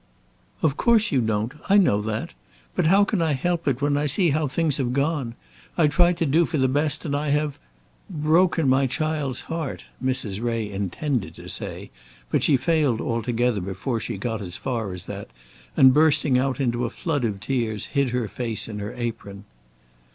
"Of course you don't. I know that. But how can I help it when I see how things have gone? I tried to do for the best, and I have " broken my child's heart, Mrs. Ray intended to say; but she failed altogether before she got as far as that, and bursting out into a flood of tears, hid her face in her apron.